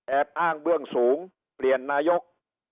อ้างเบื้องสูงเปลี่ยนนายก